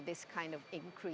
untuk peningkatan ini